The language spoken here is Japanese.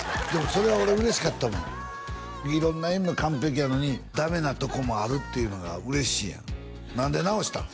それは俺嬉しかったもん色んな意味の完璧やのにダメなとこもあるっていうのが嬉しいやん何で直したん？